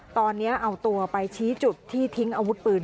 ตอนนี้เอาตัวไปชี้จุดที่ทิ้งอาวุธปืน